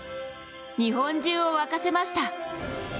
日本中を沸かせました。